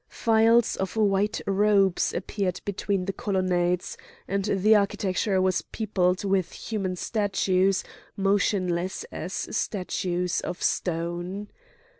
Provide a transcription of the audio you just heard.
Files of white robes appeared between the colonnades, and the architecture was peopled with human statues, motionless as statues of stone.